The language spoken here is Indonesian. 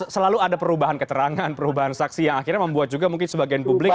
selalu ada perubahan keterangan perubahan saksi yang akhirnya membuat juga mungkin sebagian publik